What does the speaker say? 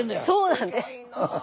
そうなんですね。